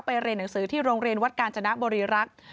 เรียนหนังสือที่โรงเรียนวัดกาญจนบริรักษ์